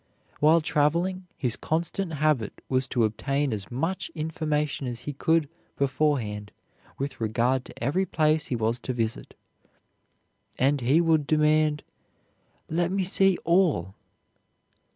While traveling, his constant habit was to obtain as much information as he could beforehand with regard to every place he was to visit, and he would demand, "Let me see all."